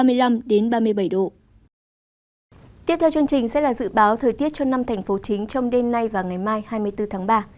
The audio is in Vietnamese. tiếp theo chương trình sẽ là dự báo thời tiết cho năm thành phố chính trong đêm nay và ngày mai hai mươi bốn tháng ba